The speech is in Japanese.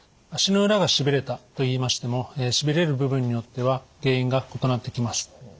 足の裏がしびれたといいましてもしびれる部分によっては原因が異なってきます。